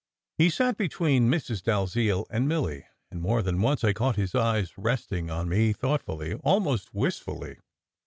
He sat between Mrs. Dalziel and Milly, and more than once I caught his eyes resting on me thought fully, almost wistfully.